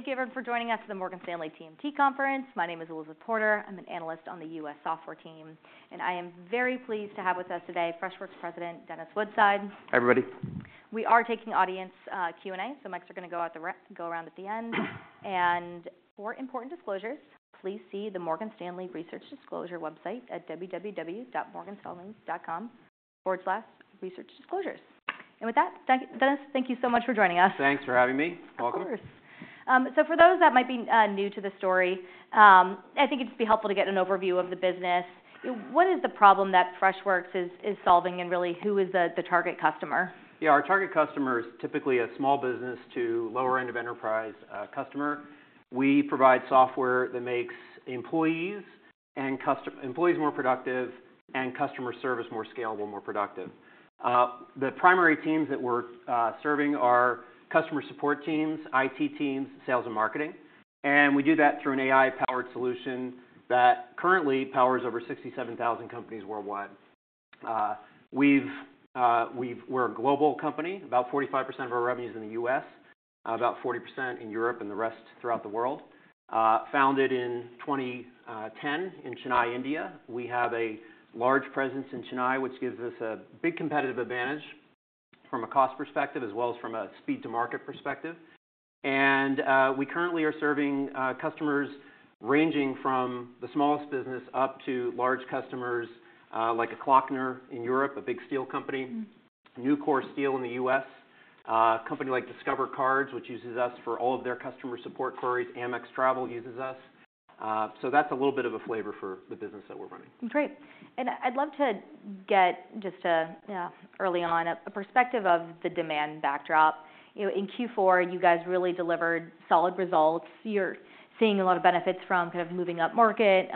Thank you everyone for joining us at the Morgan Stanley TMT Conference. My name is Elizabeth Porter. I'm an analyst on the US software team, and I am very pleased to have with us today Freshworks President, Dennis Woodside. Hi, everybody. We are taking audience Q&A, so mics are gonna go around at the end. And for important disclosures, please see the Morgan Stanley Research Disclosure website at www.morganstanley.com/researchdisclosures. And with that, thank you, Dennis, thank you so much for joining us. Thanks for having me. Welcome. Of course. So for those that might be new to the story, I think it'd just be helpful to get an overview of the business. What is the problem that Freshworks is solving, and really, who is the target customer? Yeah, our target customer is typically a small business to lower end of enterprise, uh, customer. We provide software that makes employees and customers more productive and customer service more scalable, more productive. The primary teams that we're serving are customer support teams, IT teams, sales and marketing, and we do that through an AI-powered solution that currently powers over 67,000 companies worldwide. We're a global company. About 45% of our revenue is in the U.S., uh, about 40% in Europe, and the rest throughout the world. Founded in 2010 in Chennai, India. We have a large presence in Chennai, which gives us a big competitive advantage from a cost perspective, as well as from a speed to market perspective. We currently are serving customers ranging from the smallest business up to large customers, like a Klöckner in Europe, a big steel company. Nucor Steel in the U.S. A company like Discover Cards, which uses us for all of their customer support queries. Amex Travel uses us. So that's a little bit of a flavor for the business that we're running. Great. And I'd love to get just a, early on, a, a perspective of the demand backdrop. You know, in Q4, you guys really delivered solid results. You're seeing a lot of benefits from kind of moving up market,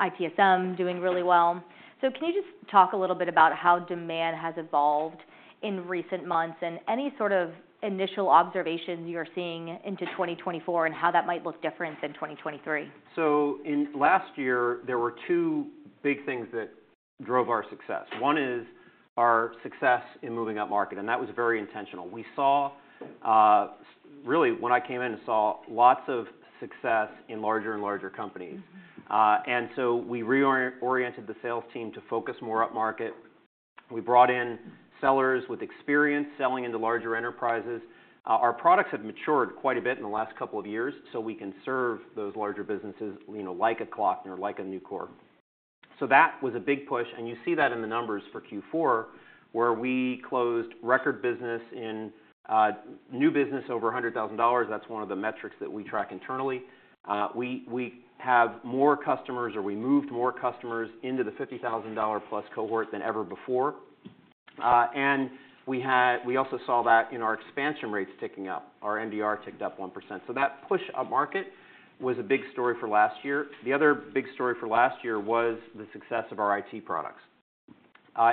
ITSM doing really well. So can you just talk a little bit about how demand has evolved in recent months, and any sort of initial observations you're seeing into 2024, and how that might look different than 2023? So in last year, there were two big things that drove our success. One is our success in moving up market, and that was very intentional. We saw, really, when I came in, and saw lots of success in larger and larger companies. And so we reoriented the sales team to focus more up market. We brought in sellers with experience selling into larger enterprises. Our products have matured quite a bit in the last couple of years, so we can serve those larger businesses, you know, like a Klöckner, like a Nucor. So that was a big push, and you see that in the numbers for Q4, where we closed record business in new business over $100,000. That's one of the metrics that we track internally. We have more customers, or we moved more customers into the $50,000-plus cohort than ever before. And we also saw that in our expansion rates ticking up, our NDR ticked up 1%. So that push up market was a big story for last year. The other big story for last year was the success of our IT products.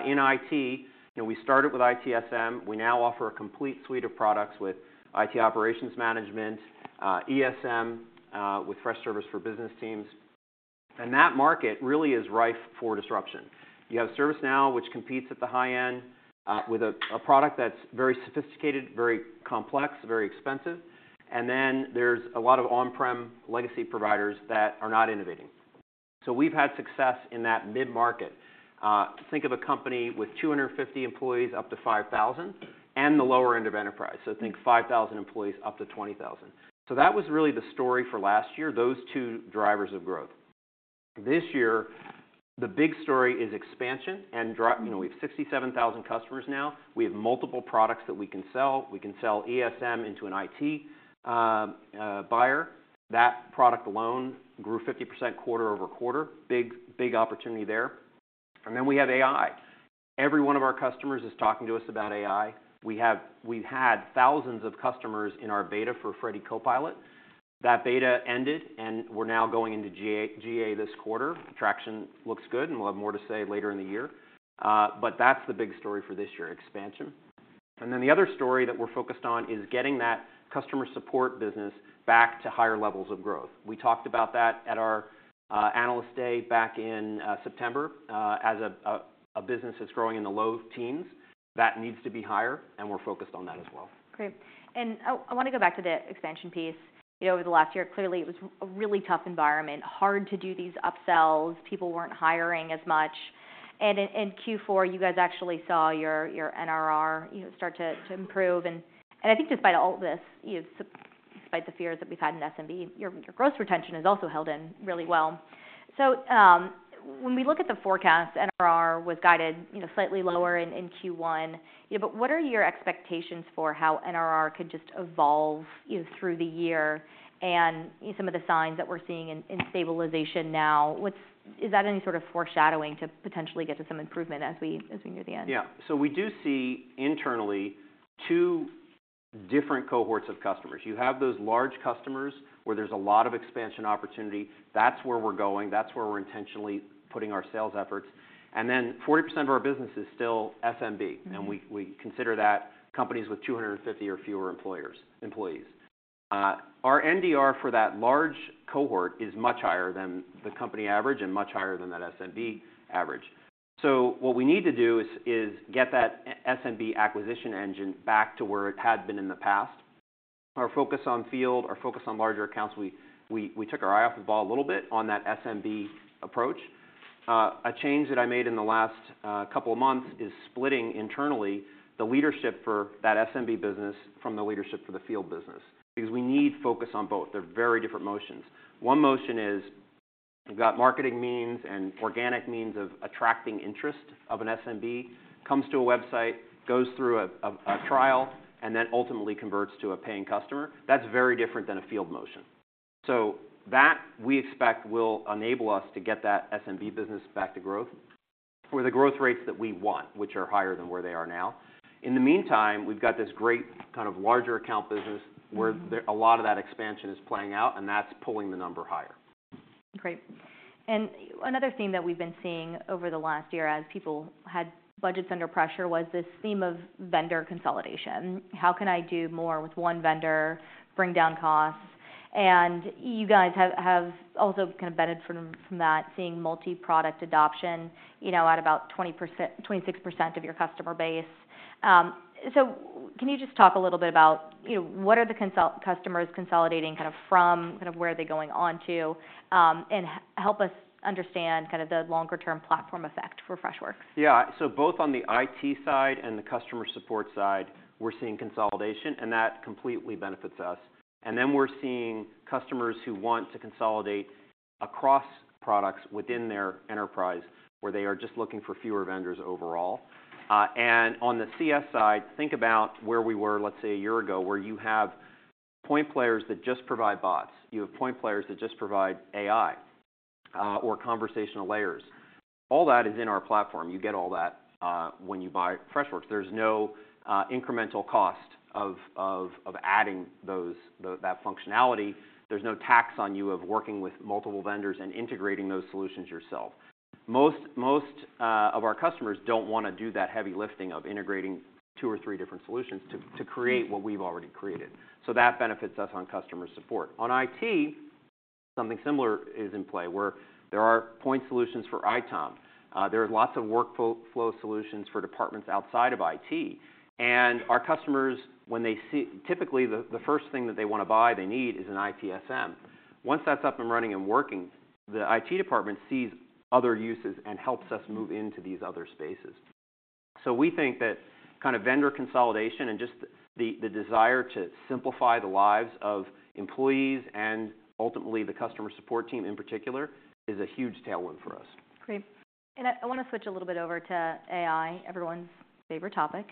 In IT, you know, we started with ITSM. We now offer a complete suite of products with IT operations management, ESM, with Freshservice for Business Teams, and that market really is ripe for disruption. You have ServiceNow, which competes at the high end, with a product that's very sophisticated, very complex, very expensive, and then there's a lot of on-prem legacy providers that are not innovating. So we've had success in that mid-market. To think of a company with 250 employees, up to 5,000, and the lower end of enterprise- So think 5,000 employees, up to 20,000. That was really the story for last year, those two drivers of growth. This year, the big story is expansion and drive- You know, we have 67,000 customers now. We have multiple products that we can sell. We can sell ESM into an IT buyer. That product alone grew 50% quarter-over-quarter. Big, big opportunity there. And then we have AI. Every one of our customers is talking to us about AI. We've had thousands of customers in our beta for Freddy Copilot. That beta ended, and we're now going into GA this quarter. Traction looks good, and we'll have more to say later in the year. But that's the big story for this year: expansion. And then the other story that we're focused on is getting that customer support business back to higher levels of growth. We talked about that at our Analyst Day back in September. As a business that's growing in the low teens, that needs to be higher, and we're focused on that as well. Great. I wanna go back to the expansion piece. You know, over the last year, clearly, it was a really tough environment. Hard to do these upsells. People weren't hiring as much, and in Q4, you guys actually saw your NRR, you know, start to improve, and I think despite all this, you know, despite the fears that we've had in SMB, your growth retention has also held in really well. So, when we look at the forecast, NRR was guided, you know, slightly lower- in Q1, you know, but what are your expectations for how NRR could just evolve, you know, through the year? And, you know, some of the signs that we're seeing in stabilization now, is that any sort of foreshadowing to potentially get to some improvement as we near the end? Yeah. So we do see internally, two different cohorts of customers. You have those large customers, where there's a lot of expansion opportunity. That's where we're going. That's where we're intentionally putting our sales efforts. And then 40% of our business is still SMB- and we consider that companies with 250 or fewer employees. Our NDR for that large cohort is much higher than the company average and much higher than that SMB average. So what we need to do is get that SMB acquisition engine back to where it had been in the past. Our focus on field, our focus on larger accounts, we took our eye off the ball a little bit on that SMB approach. A change that I made in the last couple of months is splitting internally the leadership for that SMB business from the leadership for the field business, because we need focus on both. They're very different motions. One motion is, we've got marketing means and organic means of attracting interest of an SMB, comes to a website, goes through a trial, and then ultimately converts to a paying customer. That's very different than a field motion. So that, we expect, will enable us to get that SMB business back to growth, or the growth rates that we want, which are higher than where they are now. In the meantime, we've got this great kind of larger account business- A lot of that expansion is playing out, and that's pulling the number higher. Great. And another theme that we've been seeing over the last year, as people had budgets under pressure, was this theme of vendor consolidation. How can I do more with one vendor, bring down costs? And you guys have also kind of benefited from that, seeing multi-product adoption, you know, at about 20%-26% of your customer base. So can you just talk a little bit about, you know, what are the customers consolidating kind of from, kind of where are they going on to? And help us understand kind of the longer term platform effect for Freshworks. Yeah. So both on the IT side and the customer support side, we're seeing consolidation, and that completely benefits us. And then we're seeing customers who want to consolidate across products within their enterprise, where they are just looking for fewer vendors overall. And on the CS side, think about where we were, let's say, a year ago, where you have point players that just provide bots. You have point players that just provide AI or conversational layers. All that is in our platform. You get all that when you buy Freshworks. There's no incremental cost of adding those that functionality. There's no tax on you of working with multiple vendors and integrating those solutions yourself. Most, most, of our customers don't wanna do that heavy lifting of integrating two or three different solutions to, to create what we've already created, so that benefits us on customer support. On IT, something similar is in play, where there are point solutions for ITOM. There are lots of workflow solutions for departments outside of IT, and our customers, when they see... Typically, the, the first thing that they wanna buy, they need, is an ITSM. Once that's up and running and working, the IT department sees other uses and helps us move into these other spaces. So we think that kind of vendor consolidation and just the, the desire to simplify the lives of employees and ultimately the customer support team, in particular, is a huge tailwind for us. Great. And I wanna switch a little bit over to AI, everyone's favorite topic.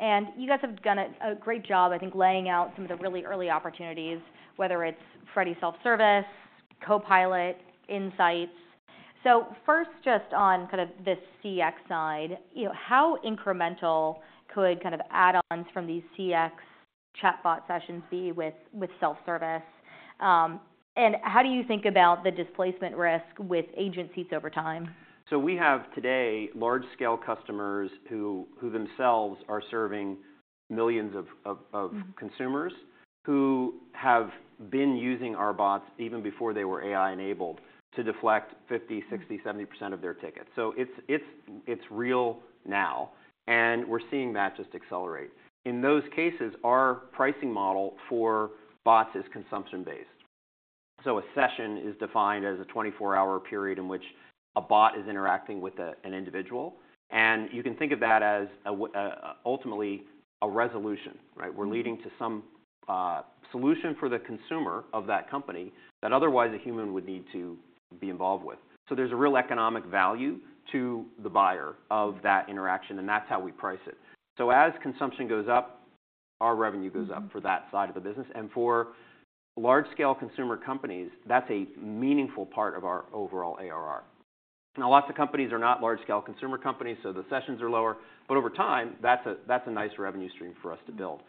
And you guys have done a great job, I think, laying out some of the really early opportunities, whether it's Freddy Self-Service, Copilot, Insights. So first, just on kind of the CX side, you know, how incremental could kind of add-ons from these CX chatbot sessions be with self-service? And how do you think about the displacement risk with agent seats over time? So we have today large-scale customers who themselves are serving millions of-... consumers, who have been using our bots even before they were AI-enabled, to deflect 50, 60, 70% of their tickets. So it's, it's, it's real now, and we're seeing that just accelerate. In those cases, our pricing model for bots is consumption-based. So a session is defined as a 24-hour period in which a bot is interacting with an individual. And you can think of that as, ultimately, a resolution, right? We're leading to some solution for the consumer of that company that otherwise a human would need to be involved with. So there's a real economic value to the buyer of that interaction, and that's how we price it. So as consumption goes up, our revenue goes up-... for that side of the business. For large-scale consumer companies, that's a meaningful part of our overall ARR. Now, lots of companies are not large-scale consumer companies, so the sessions are lower, but over time, that's a nice revenue stream for us to build.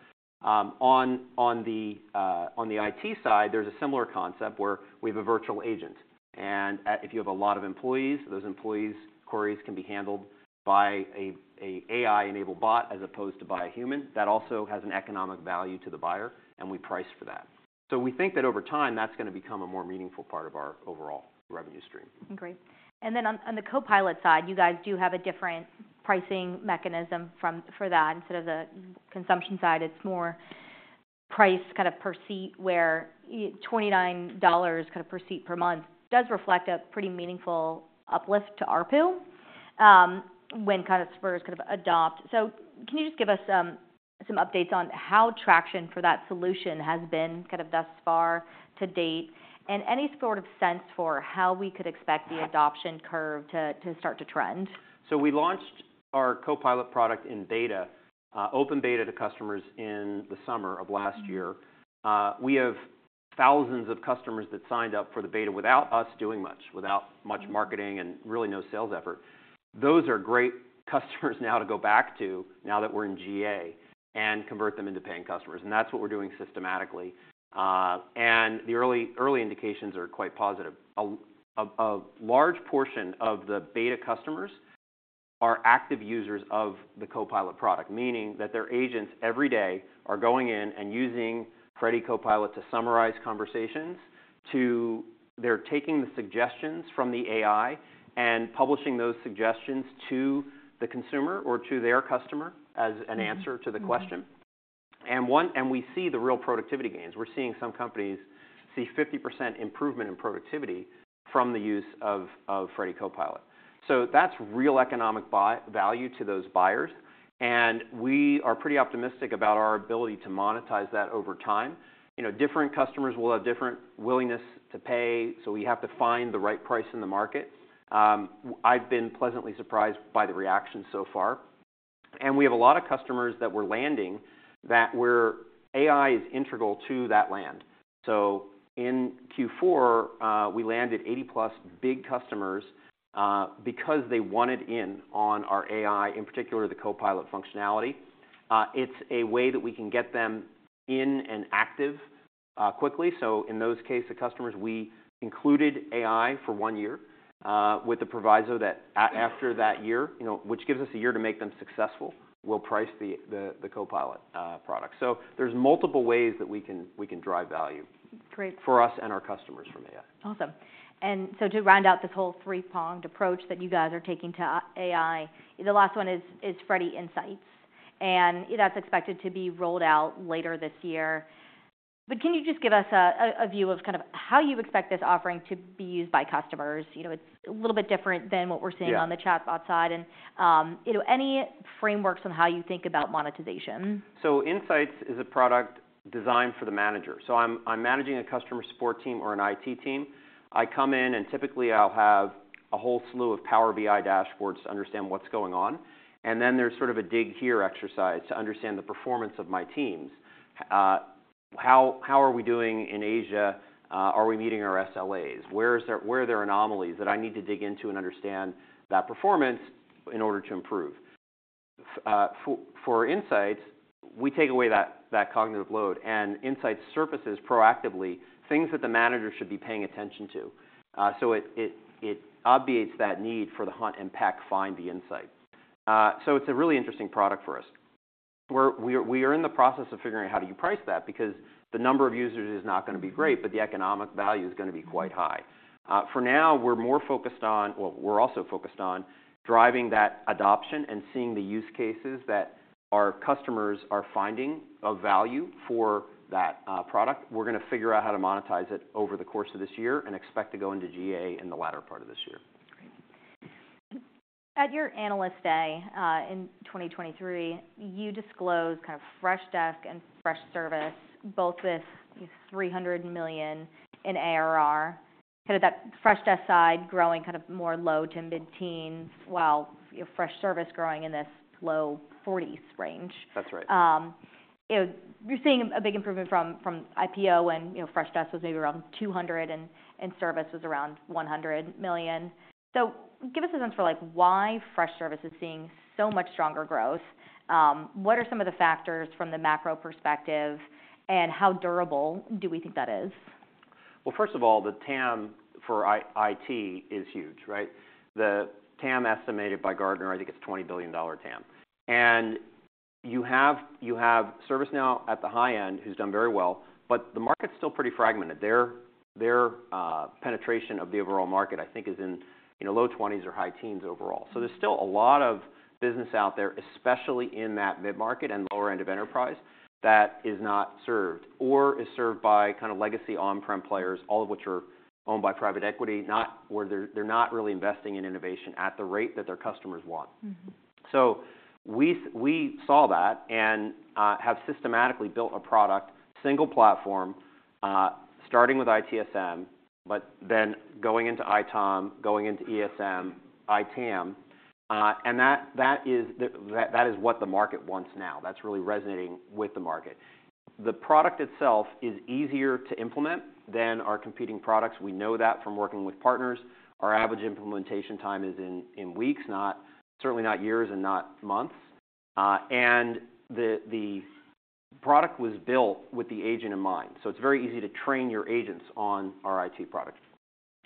On the IT side, there's a similar concept, where we have a virtual agent, and if you have a lot of employees, those employees' queries can be handled by a AI-enabled bot as opposed to by a human. That also has an economic value to the buyer, and we price for that. So we think that over time, that's gonna become a more meaningful part of our overall revenue stream. Great. And then on the Copilot side, you guys do have a different pricing mechanism for that. Instead of the consumption side, it's more price kind of per seat, where $29 kind of per seat, per month, does reflect a pretty meaningful uplift to ARPU, when kind of spurs kind of adopt. So can you just give us some updates on how traction for that solution has been kind of thus far to date? And any sort of sense for how we could expect the adoption curve to start to trend? We launched our Copilot product in beta, open beta to customers in the summer of last year. We have thousands of customers that signed up for the beta without us doing much, without much marketing-... and really, no sales effort. Those are great customers now to go back to, now that we're in GA, and convert them into paying customers, and that's what we're doing systematically. And the early, early indications are quite positive. A large portion of the beta customers are active users of the Copilot product, meaning that their agents, every day, are going in and using Freddy Copilot to summarize conversations, to... They're taking the suggestions from the AI and publishing those suggestions to the consumer or to their customer-... as an answer to the question. And one, and we see the real productivity gains. We're seeing some companies see 50% improvement in productivity from the use of Freddy Copilot. So that's real economic buy-value to those buyers, and we are pretty optimistic about our ability to monetize that over time. You know, different customers will have different willingness to pay, so we have to find the right price in the market. I've been pleasantly surprised by the reaction so far, and we have a lot of customers that we're landing that where AI is integral to that land. So in Q4, we landed 80+ big customers because they wanted in on our AI, in particular, the Copilot functionality. It's a way that we can get them in and active quickly. So in those cases, the customers, we included AI for one year, with the proviso that after that year, you know, which gives us a year to make them successful, we'll price the Copilot product. So there's multiple ways that we can drive value- Great. for us and our customers from AI. Awesome. So to round out this whole three-pronged approach that you guys are taking to AI, the last one is Freddy Insights, and that's expected to be rolled out later this year. But can you just give us a view of kind of how you expect this offering to be used by customers? You know, it's a little bit different than what we're seeing- Yeah... on the chatbot side. You know, any frameworks on how you think about monetization? Insights is a product designed for the manager. So I'm managing a customer support team or an IT team. I come in, and typically I'll have a whole slew of Power BI dashboards to understand what's going on, and then there's sort of a dig here exercise to understand the performance of my teams. How are we doing in Asia? Are we meeting our SLAs? Where are there anomalies that I need to dig into and understand that performance in order to improve? For Insights, we take away that cognitive load, and Insights surfaces proactively things that the manager should be paying attention to. So it obviates that need for the hunt-and-peck, find the insight. So it's a really interesting product for us, where we are in the process of figuring out how do you price that? Because the number of users is not gonna be great, but the economic value is gonna be quite high. For now, we're more focused on... Well, we're also focused on driving that adoption and seeing the use cases that our customers are finding of value for that product. We're gonna figure out how to monetize it over the course of this year and expect to go into GA in the latter part of this year. Great. At your Analyst Day in 2023, you disclosed kind of Freshdesk and Freshservice, both with $300 million in ARR. Kind of that Freshdesk side growing kind of more low- to mid-teens%, while, you know, Freshservice growing in this low 40s% range. That's right. You know, we're seeing a big improvement from IPO, and you know, Freshdesk was maybe around $200 million, and Freshservice was around $100 million. So give us a sense for, like, why Freshservice is seeing so much stronger growth. What are some of the factors from the macro perspective, and how durable do we think that is? Well, first of all, the TAM for IT is huge, right? The TAM estimated by Gartner, I think, it's a $20 billion TAM. And you have, you have ServiceNow at the high end, who's done very well, but the market's still pretty fragmented. Their penetration of the overall market, I think, is in, you know, low 20s or high teens overall. So there's still a lot of business out there, especially in that mid-market and lower end of enterprise, that is not served or is served by kind of legacy on-prem players, all of which are owned by private equity, not where they're not really investing in innovation at the rate that their customers want. So we saw that and have systematically built a product, single platform, starting with ITSM, but then going into ITOM, going into ESM, ITAM, and that, that is what the market wants now. That's really resonating with the market. The product itself is easier to implement than our competing products. We know that from working with partners. Our average implementation time is in weeks, not certainly not years and not months. And the product was built with the agent in mind, so it's very easy to train your agents on our IT product.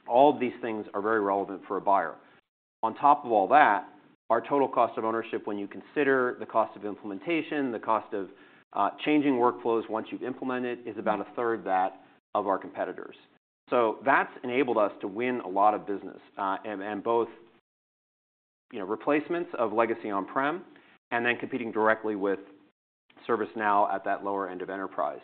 All of these things are very relevant for a buyer. On top of all that, our total cost of ownership, when you consider the cost of implementation, the cost of changing workflows once you've implemented, is about a third that of our competitors. So that's enabled us to win a lot of business, and, and both, you know, replacements of legacy on-prem, and then competing directly with ServiceNow at that lower end of enterprise.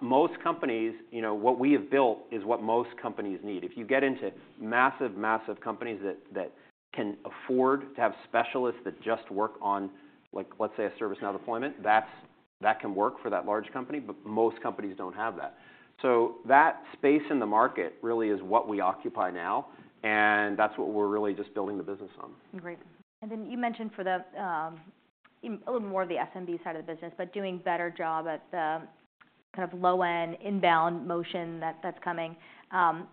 Most companies, you know, what we have built is what most companies need. If you get into massive, massive companies that, that can afford to have specialists that just work on, like, let's say, a ServiceNow deployment, that's- that can work for that large company, but most companies don't have that. So that space in the market really is what we occupy now, and that's what we're really just building the business on. Great. And then you mentioned for the, a little more of the SMB side of the business, but doing better job at the kind of low-end inbound motion that, that's coming.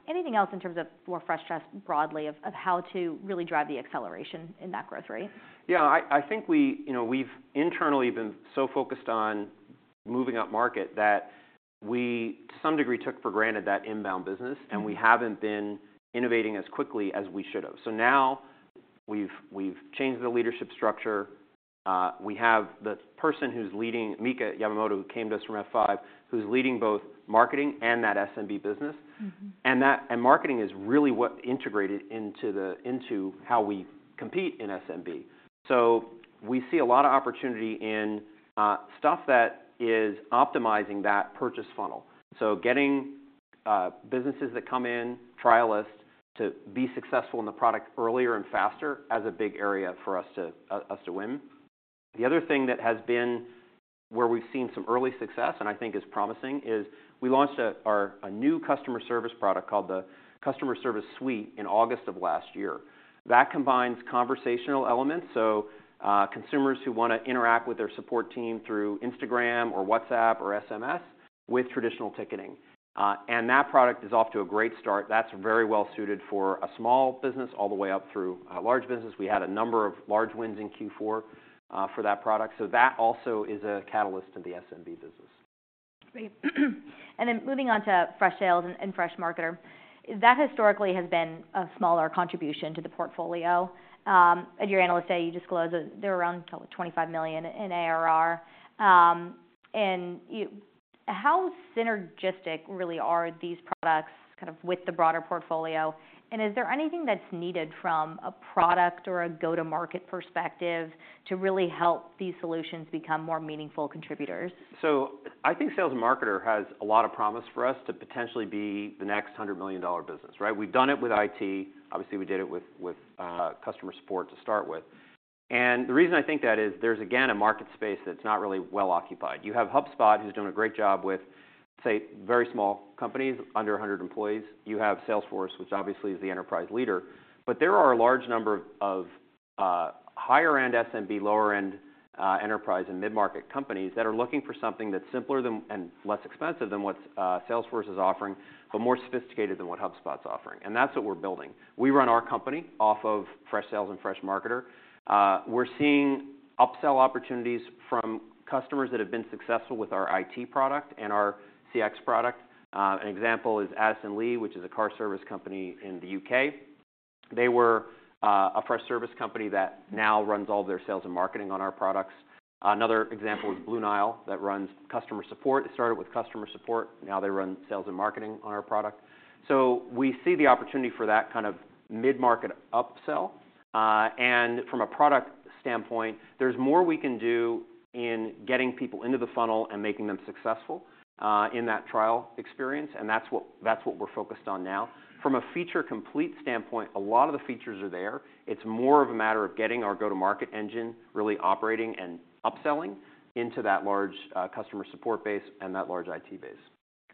Anything else in terms of more Freshdesk broadly, of, of how to really drive the acceleration in that growth rate? Yeah, I think, you know, we've internally been so focused on moving upmarket, that we to some degree took for granted that inbound business- And we haven't been innovating as quickly as we should have. So now we've changed the leadership structure. We have the person who's leading, Mika Yamamoto, who came to us from F5, who's leading both marketing and that SMB business. Marketing is really what integrated into how we compete in SMB. So we see a lot of opportunity in stuff that is optimizing that purchase funnel. So getting businesses that come in, trialists, to be successful in the product earlier and faster, as a big area for us to win. The other thing that has been where we've seen some early success, and I think is promising, is we launched a new customer service product called the Customer Service Suite in August of last year. That combines conversational elements, so consumers who want to interact with their support team through Instagram or WhatsApp or SMS with traditional ticketing. And that product is off to a great start. That's very well suited for a small business all the way up through a large business. We had a number of large wins in Q4, for that product, so that also is a catalyst in the SMB business. Great. Then moving on to Freshsales and Freshmarketer. That historically has been a smaller contribution to the portfolio. At your Analyst Day, you disclose that they're around $25 million in ARR. And you—how synergistic really are these products, kind of, with the broader portfolio? And is there anything that's needed from a product or a go-to-market perspective to really help these solutions become more meaningful contributors? So I think Freshsales and Freshmarketer has a lot of promise for us to potentially be the next $100 million business, right? We've done it with IT. Obviously, we did it with customer support to start with. And the reason I think that is, there's again a market space that's not really well occupied. You have HubSpot, who's doing a great job with say very small companies under 100 employees. You have Salesforce, which obviously is the enterprise leader. But there are a large number of higher-end SMB, lower-end enterprise and mid-market companies that are looking for something that's simpler than and less expensive than what Salesforce is offering, but more sophisticated than what HubSpot's offering, and that's what we're building. We run our company off of Freshsales and Freshmarketer. We're seeing upsell opportunities from customers that have been successful with our IT product and our CX product. An example is Addison Lee, which is a car service company in the U.K. They were a Freshservice company that now runs all their sales and marketing on our products. Another example is Blue Nile, that runs customer support. It started with customer support, now they run sales and marketing on our product. So we see the opportunity for that kind of mid-market upsell. And from a product standpoint, there's more we can do in getting people into the funnel and making them successful in that trial experience, and that's what, that's what we're focused on now. From a feature complete standpoint, a lot of the features are there. It's more of a matter of getting our go-to-market engine really operating and upselling into that large, customer support base and that large IT base.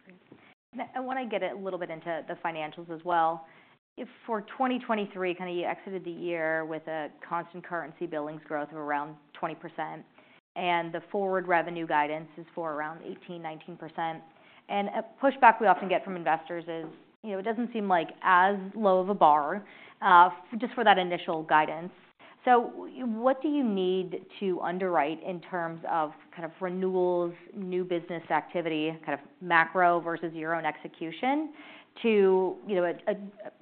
Great. I wanna get a little bit into the financials as well. If for 2023, kind of you exited the year with a constant currency billings growth of around 20%, and the forward revenue guidance is for around 18%-19%. And a pushback we often get from investors is, you know, it doesn't seem like as low of a bar, just for that initial guidance. So what do you need to underwrite in terms of kind of renewals, new business activity, kind of macro versus your own execution, to, you know,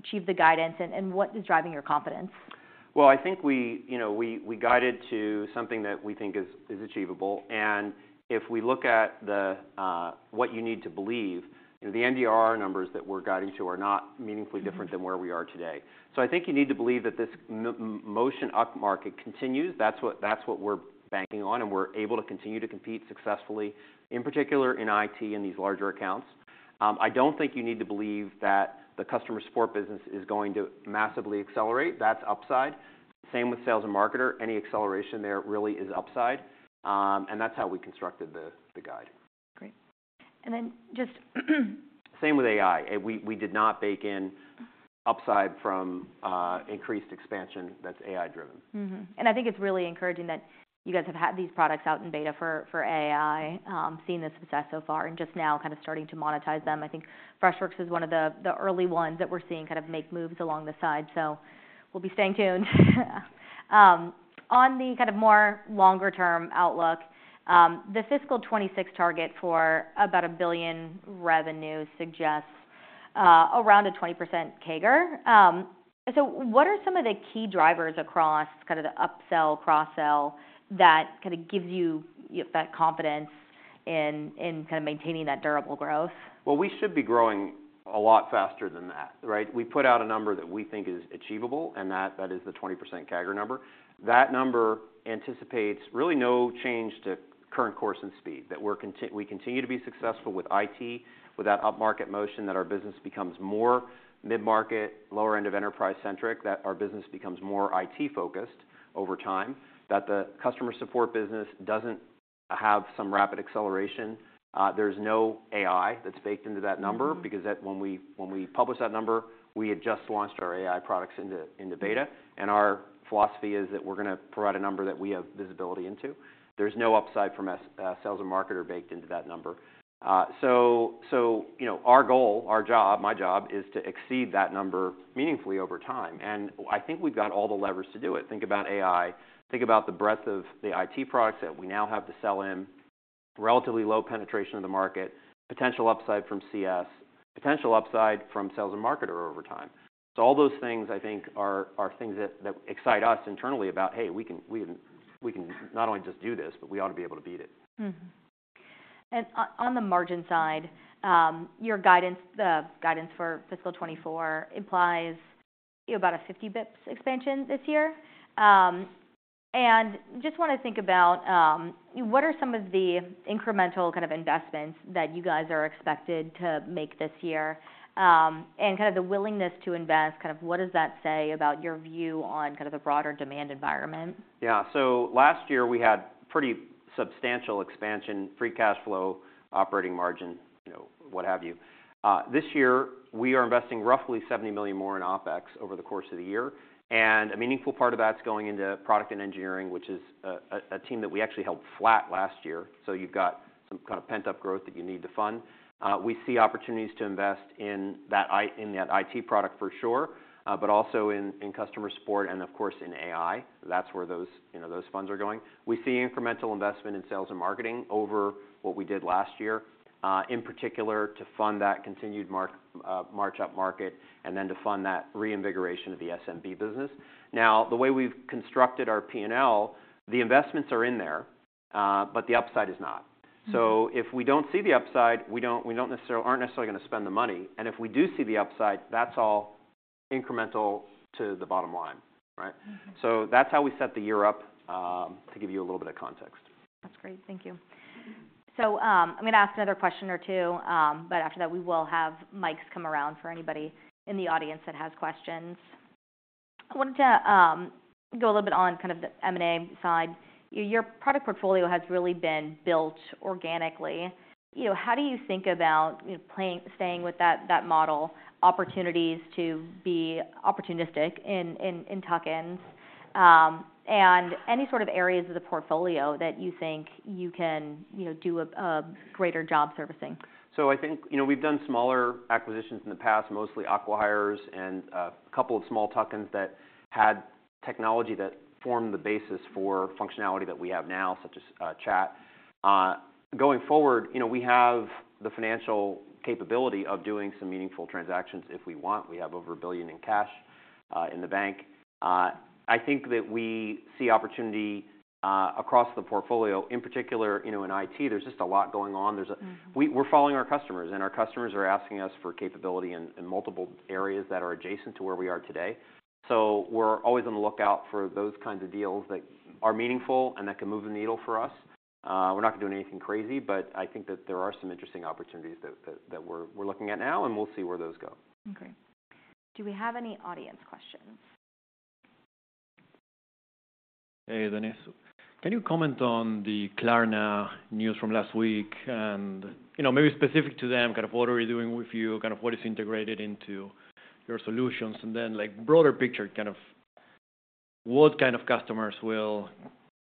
achieve the guidance, and, and what is driving your confidence? Well, I think we, you know, we, we guided to something that we think is, is achievable. And if we look at the, what you need to believe, the NDR numbers that we're guiding to are not meaningfully different than where we are today. So I think you need to believe that this motion upmarket continues. That's what, that's what we're banking on, and we're able to continue to compete successfully, in particular, in IT, in these larger accounts. I don't think you need to believe that the customer support business is going to massively accelerate. That's upside. Same with Sales and Marketer. Any acceleration there really is upside, and that's how we constructed the, the guide. Great. And then just- Same with AI. We did not bake in upside from increased expansion that's AI driven. And I think it's really encouraging that you guys have had these products out in beta for AI, seeing the success so far, and just now kind of starting to monetize them. I think Freshworks is one of the early ones that we're seeing kind of make moves along the side, so we'll be staying tuned. On the kind of more longer-term outlook, the fiscal 2026 target for about $1 billion revenue suggests around 20% CAGR. So what are some of the key drivers across, kind of, the upsell, cross-sell, that kind of gives you that confidence in kind of maintaining that durable growth? Well, we should be growing a lot faster than that, right? We put out a number that we think is achievable, and that, that is the 20% CAGR number. That number anticipates really no change to current course and speed, that we're cont- we continue to be successful with IT, with that upmarket motion, that our business becomes more mid-market, lower end of enterprise centric, that our business becomes more IT-focused over time, that the customer support business doesn't have some rapid acceleration. There's no AI that's baked into that number- Because that, when we published that number, we had just launched our AI products into beta. And our philosophy is that we're gonna provide a number that we have visibility into. There's no upside from Sales or Marketer baked into that number. So, you know, our goal, our job, my job, is to exceed that number meaningfully over time, and I think we've got all the levers to do it. Think about AI, think about the breadth of the IT products that we now have to sell in, relatively low penetration of the market, potential upside from CS, potential upside from Sales or Marketer over time. So all those things, I think, are things that excite us internally about, "Hey, we can not only just do this, but we ought to be able to beat it. On the margin side, your guidance, the guidance for fiscal 2024 implies, you know, about a 50 bps expansion this year. Just want to think about what are some of the incremental kind of investments that you guys are expected to make this year, and kind of the willingness to invest, kind of what does that say about your view on kind of the broader demand environment? Yeah. So last year, we had pretty substantial expansion, free cash flow, operating margin, you know, what have you. This year, we are investing roughly $70 million more in OpEx over the course of the year, and a meaningful part of that's going into product and engineering, which is a team that we actually held flat last year. So you've got some kind of pent-up growth that you need to fund. We see opportunities to invest in that IT product for sure, but also in customer support and of course, in AI. That's where those, you know, those funds are going. We see incremental investment in sales and marketing over what we did last year, in particular, to fund that continued march upmarket, and then to fund that reinvigoration of the SMB business. Now, the way we've constructed our P&L, the investments are in there, but the upside is not. So if we don't see the upside, we aren't necessarily gonna spend the money, and if we do see the upside, that's all incremental to the bottom line, right? That's how we set the year up, to give you a little bit of context. That's great. Thank you. So, I'm gonna ask another question or two, but after that, we will have mics come around for anybody in the audience that has questions. I wanted to go a little bit on kind of the M&A side. Your product portfolio has really been built organically. You know, how do you think about, you know, staying with that model, opportunities to be opportunistic in tuck-ins, and any sort of areas of the portfolio that you think you can, you know, do a greater job servicing? So I think, you know, we've done smaller acquisitions in the past, mostly acquihires and a couple of small tuck-ins that had technology that formed the basis for functionality that we have now, such as chat. Going forward, you know, we have the financial capability of doing some meaningful transactions if we want. We have over $1 billion in cash in the bank. I think that we see opportunity across the portfolio. In particular, you know, in IT, there's just a lot going on. There's a- We're following our customers, and our customers are asking us for capability in multiple areas that are adjacent to where we are today. So we're always on the lookout for those kinds of deals that are meaningful and that can move the needle for us. We're not gonna do anything crazy, but I think that there are some interesting opportunities that we're looking at now, and we'll see where those go. Okay. Do we have any audience questions? Hey, Dennis. Can you comment on the Klarna news from last week? And, you know, maybe specific to them, kind of what are we doing with you, kind of what is integrated into your solutions, and then, like, broader picture, kind of what kind of customers will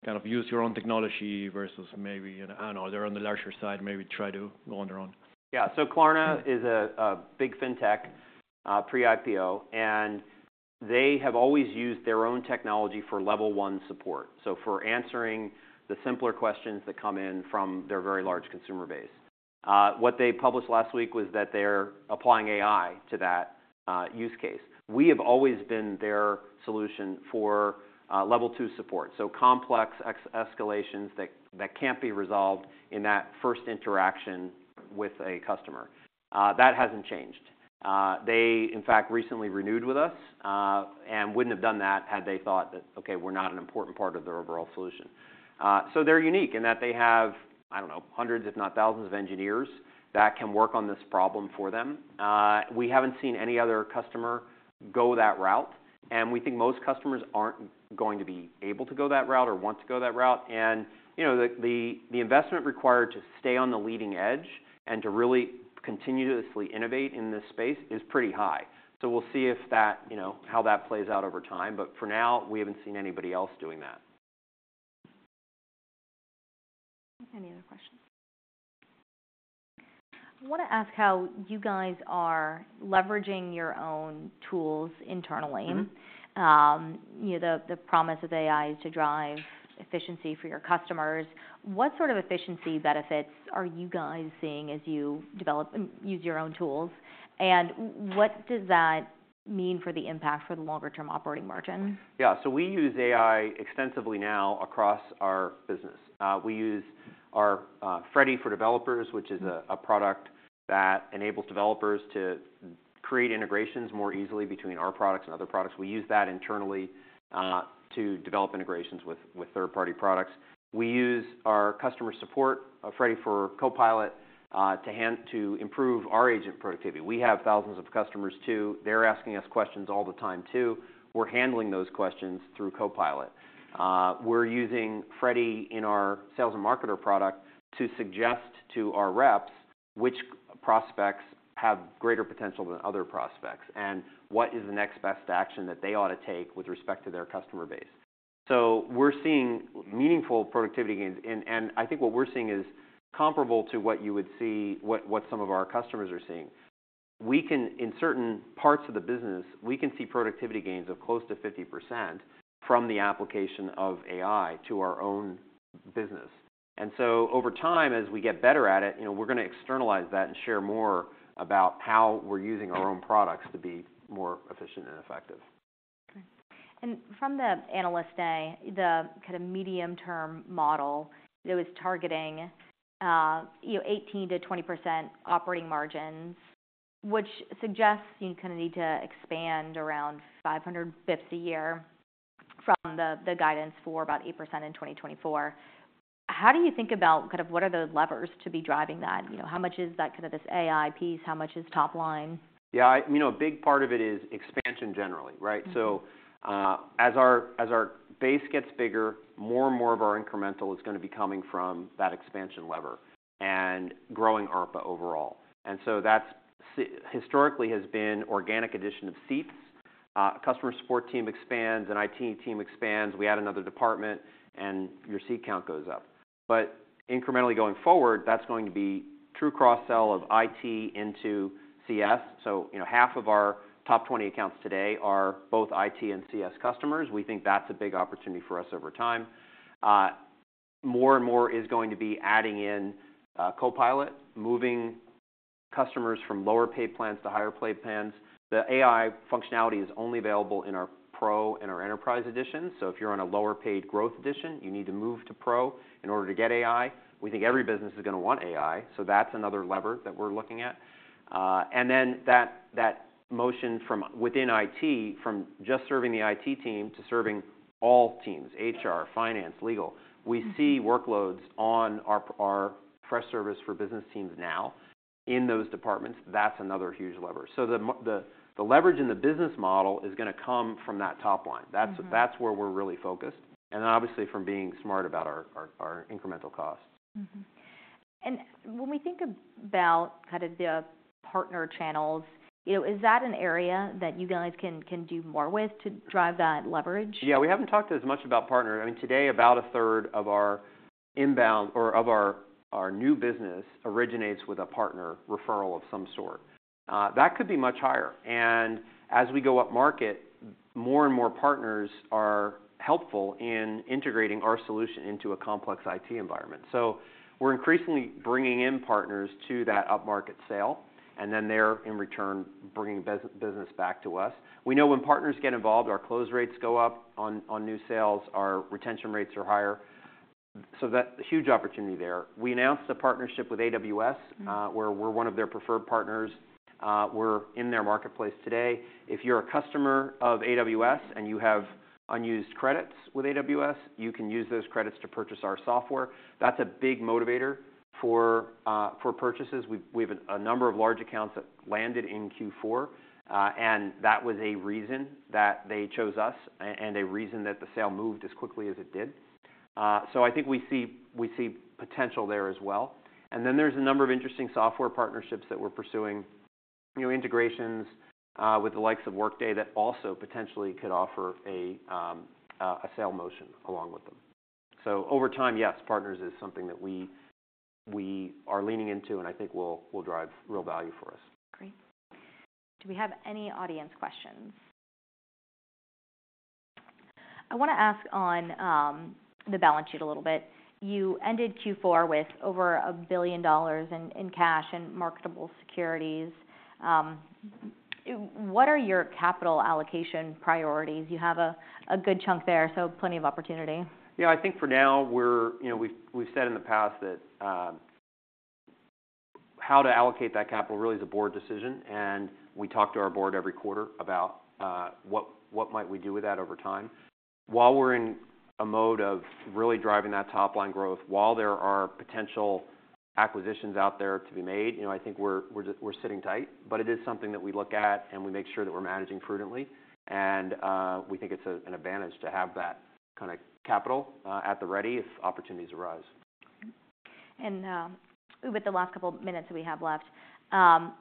kind of use your own technology versus maybe, you know, I don't know, they're on the larger side, maybe try to go on their own? Yeah. So Klarna is a big fintech, pre-IPO, and they have always used their own technology for level one support, so for answering the simpler questions that come in from their very large consumer base. What they published last week was that they're applying AI to that use case. We have always been their solution for level two support, so complex escalations that can't be resolved in that first interaction with a customer. That hasn't changed. They, in fact, recently renewed with us, and wouldn't have done that had they thought that, okay, we're not an important part of their overall solution. So they're unique in that they have, I don't know, hundreds, if not thousands of engineers that can work on this problem for them. We haven't seen any other customer go that route, and we think most customers aren't going to be able to go that route or want to go that route. And, you know, the investment required to stay on the leading edge and to really continuously innovate in this space is pretty high. So we'll see if that, you know, how that plays out over time, but for now, we haven't seen anybody else doing that. Any other questions? I want to ask how you guys are leveraging your own tools internally. You know, the promise of AI is to drive efficiency for your customers. What sort of efficiency benefits are you guys seeing as you develop and use your own tools? And what does that mean for the impact for the longer-term operating margin? Yeah. So we use AI extensively now across our business. We use our Freddy for Developers- which is a product that enables developers to create integrations more easily between our products and other products. We use that internally to develop integrations with third-party products. We use our customer support Freddy AI Copilot to improve our agent productivity. We have thousands of customers, too. They're asking us questions all the time, too. We're handling those questions through Copilot. We're using Freddy in our Sales or Marketer product to suggest to our reps which prospects have greater potential than other prospects, and what is the next best action that they ought to take with respect to their customer base. So we're seeing meaningful productivity gains, and I think what we're seeing is comparable to what you would see, what some of our customers are seeing. We can... In certain parts of the business, we can see productivity gains of close to 50% from the application of AI to our own business. So over time, as we get better at it, you know, we're gonna externalize that and share more about how we're using our own products to be more efficient and effective. From the analyst day, the kind of medium-term model, it was targeting, you know, 18%-20% operating margins, which suggests you kind of need to expand around 500 bps a year from the guidance for about 8% in 2024. How do you think about kind of what are the levers to be driving that? You know, how much is that kind of this AI piece? How much is top line? Yeah, you know, a big part of it is expansion generally, right? So, as our base gets bigger, more and more of our incremental is going to be coming from that expansion lever and growing ARPA overall. And so that's historically has been organic addition of seats. Customer support team expands, and IT team expands. We add another department, and your seat count goes up. But incrementally going forward, that's going to be true cross-sell of IT into CS. So, you know, half of our top 20 accounts today are both IT and CS customers. We think that's a big opportunity for us over time. More and more is going to be adding in, Copilot, moving customers from lower paid plans to higher paid plans. The AI functionality is only available in our Pro and our Enterprise edition, so if you're on a lower paid Growth edition, you need to move to Pro in order to get AI. We think every business is going to want AI, so that's another lever that we're looking at. And then that, that motion from within IT, from just serving the IT team to serving all teams, HR, finance, legal. We see workloads on our Freshservice for Business Teams now in those departments. That's another huge lever. So the leverage in the business model is going to come from that top line. That's where we're really focused, and then obviously from being smart about our incremental costs. When we think about kind of the partner channels, you know, is that an area that you guys can do more with to drive that leverage? Yeah, we haven't talked as much about partner. I mean, today, about a third of our inbound or of our new business originates with a partner referral of some sort. That could be much higher, and as we go upmarket, more and more partners are helpful in integrating our solution into a complex IT environment. So we're increasingly bringing in partners to that upmarket sale, and then they're, in return, bringing business back to us. We know when partners get involved, our close rates go up on new sales, our retention rates are higher, so that's a huge opportunity there. We announced a partnership with AWS-... where we're one of their preferred partners. We're in their marketplace today. If you're a customer of AWS, and you have unused credits with AWS, you can use those credits to purchase our software. That's a big motivator for, for purchases. We've, we've a number of large accounts that landed in Q4, and that was a reason that they chose us and a reason that the sale moved as quickly as it did. So I think we see, we see potential there as well. And then there's a number of interesting software partnerships that we're pursuing, new integrations, with the likes of Workday, that also potentially could offer a, a sale motion along with them. So over time, yes, partners is something that we, we are leaning into, and I think will, will drive real value for us. Great. Do we have any audience questions? I want to ask on the balance sheet a little bit. You ended Q4 with over $1 billion in cash and marketable securities. What are your capital allocation priorities? You have a good chunk there, so plenty of opportunity. Yeah, I think for now, we're... You know, we've said in the past that how to allocate that capital really is a board decision, and we talk to our board every quarter about what might we do with that over time. While we're in a mode of really driving that top-line growth, while there are potential acquisitions out there to be made, you know, I think we're just- we're sitting tight. But it is something that we look at, and we make sure that we're managing prudently. And we think it's an advantage to have that kind of capital at the ready if opportunities arise. With the last couple minutes that we have left,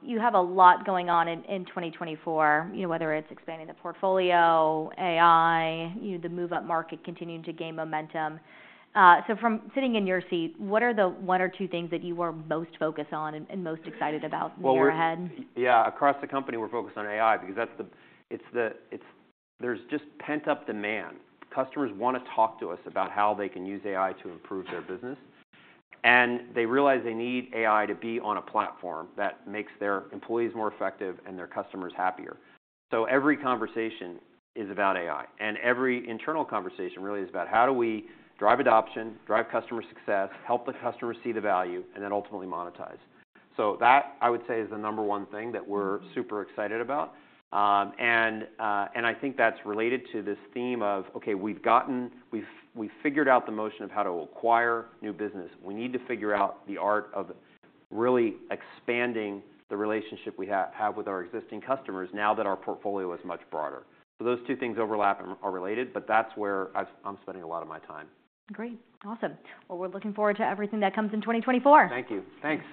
you have a lot going on in, in 2024, you know, whether it's expanding the portfolio, AI, you know, the move-up market continuing to gain momentum. So from sitting in your seat, what are the one or two things that you are most focused on and, and most excited about in the year ahead? Well, yeah, across the company, we're focused on AI because there's just pent-up demand. Customers want to talk to us about how they can use AI to improve their business, and they realize they need AI to be on a platform that makes their employees more effective and their customers happier. So every conversation is about AI, and every internal conversation really is about: how do we drive adoption, drive customer success, help the customer see the value, and then ultimately monetize? So that, I would say, is the number one thing that we're-... super excited about. And I think that's related to this theme of, okay, we've figured out the motion of how to acquire new business. We need to figure out the art of really expanding the relationship we have with our existing customers now that our portfolio is much broader. So those two things overlap and are related, but that's where I'm spending a lot of my time. Great. Awesome. Well, we're looking forward to everything that comes in 2024. Thank you. Thanks.